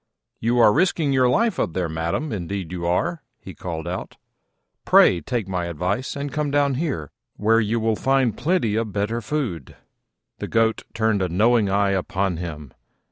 "You are risking your life up there, madam, indeed you are," he called out: "pray take my advice and come down here, where you will find plenty of better food." The Goat turned a knowing eye upon him.